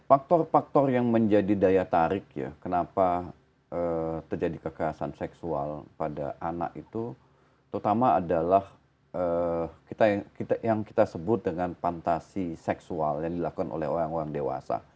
faktor faktor yang menjadi daya tarik ya kenapa terjadi kekerasan seksual pada anak itu terutama adalah yang kita sebut dengan fantasi seksual yang dilakukan oleh orang orang dewasa